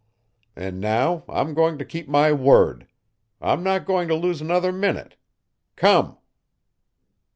And now I'm going to keep my word. I'm not going to lose another minute. Come!"